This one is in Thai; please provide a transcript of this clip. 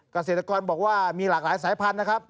เกษตรกรบอกว่ามีหลากหลายสายพันธุ์นะครับ